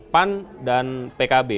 pan dan pkb